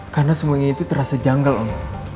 karena semuanya itu terasa janggal om